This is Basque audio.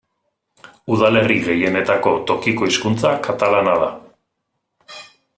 Udalerri gehienetako tokiko hizkuntza katalana da.